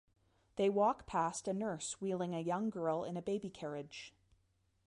They walk past a nurse wheeling a young girl in a baby carriage.